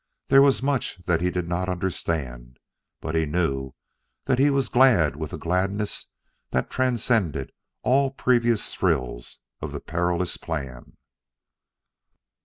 There was much that he did not understand, but he knew that he was glad with a gladness that transcended all previous thrills of the perilous plan.